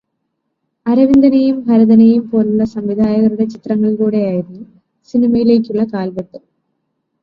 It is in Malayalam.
അരവിന്ദനെയും ഭരതനെയും പോലുള്ള സംവിധായകരുടെ ചിത്രങ്ങളിലൂടെയായിരുന്നു സിനിമയിലേയ്ക്കുള്ള കാൽവെപ്പ്.